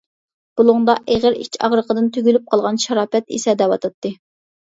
بۇلۇڭدا ئېغىر ئىچ ئاغرىقىدىن تۈگۈلۈپ قالغان شاراپەت ئېسەدەۋاتاتتى.